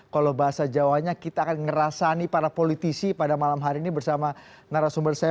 kalau bahasa jawanya kita akan ngerasani para politisi pada malam hari ini bersama narasumber saya